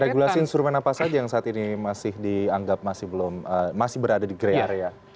regulasi instrumen apa saja yang saat ini masih dianggap masih belum masih berada di gray area